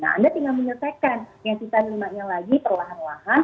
nah anda tinggal menyelesaikan yang sisa limanya lagi perlahan lahan